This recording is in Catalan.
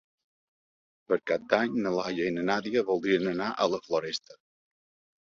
Per Cap d'Any na Laia i na Nàdia voldrien anar a la Floresta.